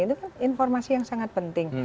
itu kan informasi yang sangat penting